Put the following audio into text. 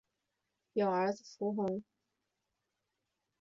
有儿子伏暅。